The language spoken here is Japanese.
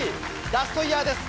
ラストイヤーです。